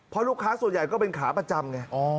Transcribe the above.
เพราะลูกค้าส่วนใหญ่ก็เป็นขาประจำไง